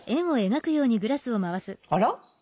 あら？